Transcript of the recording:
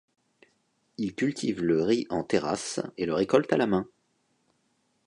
Ils cultivent le riz en terrasse et le récoltent à la main.